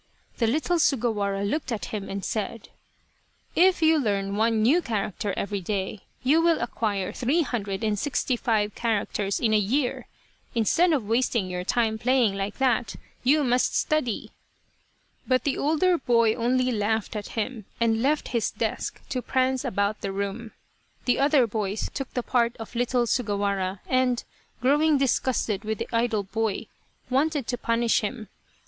The little Sugawara looked at him and said :" If you learn one new character every day you will acquire three hundred and sixty five characters in a year. Instead of wasting your time playing like that, you must study." But the older boy only laughed at him, and left his desk to prance about the room. The other boys took the part of little Sugawara and, growing disgusted with the idle boy, wanted to punish him.